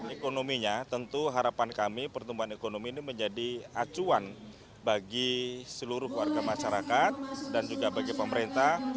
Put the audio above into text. ekonominya tentu harapan kami pertumbuhan ekonomi ini menjadi acuan bagi seluruh warga masyarakat dan juga bagi pemerintah